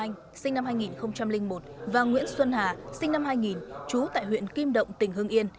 nguyễn văn anh sinh năm hai nghìn một và nguyễn xuân hà sinh năm hai nghìn chú tại huyện kim động tỉnh hương yên